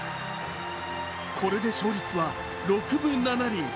これで勝率は６分７厘。